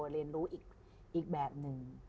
เรียนรู้อีกแบบหนึ่ง